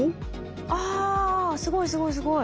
あすごいすごいすごい。